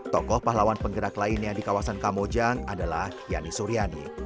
tokoh pahlawan penggerak lainnya di kawasan kamojang adalah yani suryani